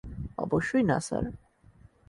অবশ্যই না, স্যার।